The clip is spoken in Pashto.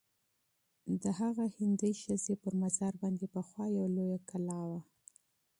د هغه هندۍ ښځي پر مزار باندي پخوا یوه لویه کلا وه.